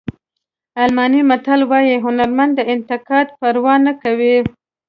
الماني متل وایي هنرمند د انتقاد پروا نه کوي.